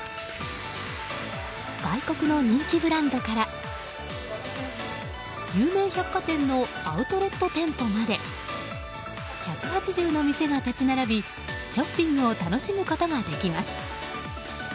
外国の人気ブランドから有名百貨店のアウトレット店舗まで１８０の店が立ち並びショッピングを楽しむことができます。